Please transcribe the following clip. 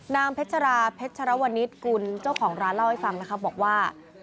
นางเพชราเวนนิสคุณเจ้าของร้านเล่าให้ฟังบอกว่า